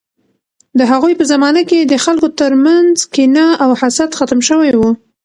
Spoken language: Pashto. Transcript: د هغوی په زمانه کې د خلکو ترمنځ کینه او حسد ختم شوی و.